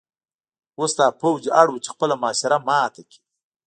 اوس دا پوځ اړ و چې خپله محاصره ماته کړي